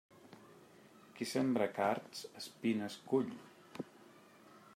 Qui sembra cards, espines cull.